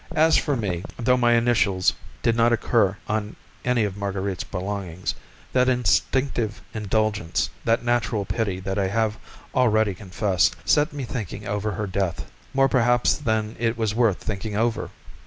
As for me, though my initials did not occur on any of Marguerite's belongings, that instinctive indulgence, that natural pity that I have already confessed, set me thinking over her death, more perhaps than it was worth thinking over.